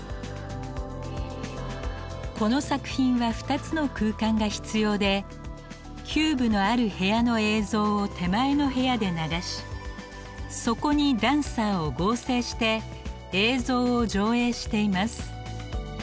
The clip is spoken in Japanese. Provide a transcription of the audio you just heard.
この作品は２つの空間が必要でキューブのある部屋の映像を手前の部屋で流しそこにダンサーを合成して映像を上映しています。